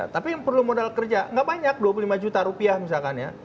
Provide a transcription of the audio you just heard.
tapi yang perlu modal kerja nggak banyak dua puluh lima juta rupiah misalkan ya